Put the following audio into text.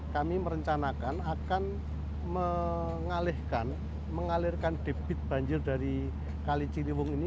kami merencanakan akan mengalirkan debit banjir dari kali ciliwung ini